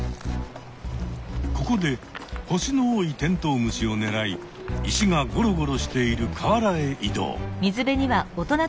ここで星の多いテントウムシをねらい石がごろごろしている河原へ移動。